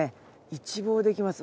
一望できます。